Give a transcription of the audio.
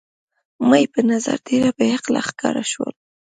مې په نظر ډېره بې عقله ښکاره شول.